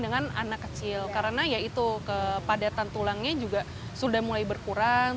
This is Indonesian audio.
dengan anak kecil karena ya itu kepadatan tulangnya juga sudah mulai berkurang